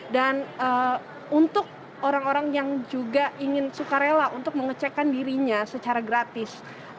dan untuk orang orang yang juga ingin suka rela untuk mengecekan dirinya secara gratis